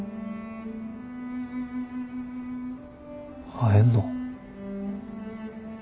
会えんの？